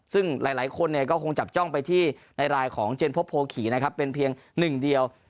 ซึ่งหลายคนก็คงจับจ้องไปที่ในไลน์ของเจนพบโพขี่นะครับเป็นเพียงหนึ่งเดียว